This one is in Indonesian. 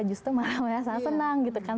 justru malah sangat senang gitu kan